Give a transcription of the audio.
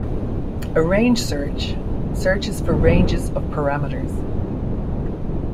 A range search searches for ranges of parameters.